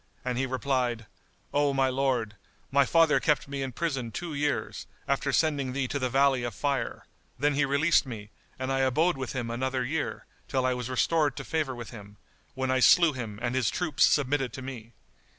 and he replied, "O my lord, my father kept me in prison two years, after sending thee to the Valley of Fire; then he released me, and I abode with him another year, till I was restored to favour with him, when I slew him and his troops submitted to me.